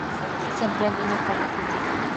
Se emplean de una forma extensiva en hibridaciones.